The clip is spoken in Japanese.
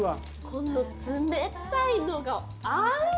◆この冷たいのが、合う。